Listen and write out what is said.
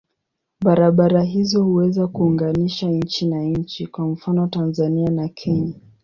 Barabara hizo huweza kuunganisha nchi na nchi, kwa mfano Tanzania na Kenya.